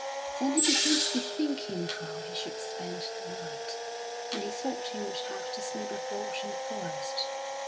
Then he began to bethink him how he should spend the night, and he thought he would have to sleep abroad in the forest.